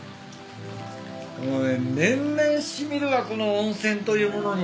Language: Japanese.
もうね年々染みるわこの温泉というものに。